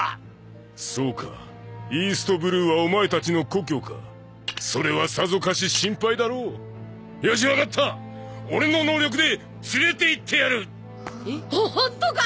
そうかイーストブルーはお前たちの故郷かそれはさぞかし心配だろうよし分かった俺の能力で連れて行ってやるほホントか？